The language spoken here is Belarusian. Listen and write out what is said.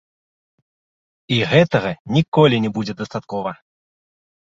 І гэтага ніколі не будзе дастаткова.